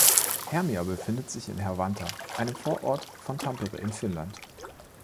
Hermia befindet sich in Hervanta, einem Vorort von Tampere in Finnland.